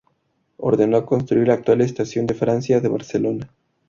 Ordenó construir la actual Estación de Francia de Barcelona.